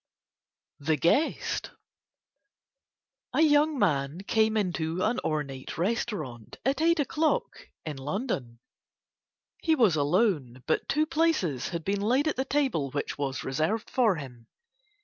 THE GUEST A young man came into an ornate restaurant at eight o'clock in London. He was alone, but two places had been laid at the table which was reserved for him.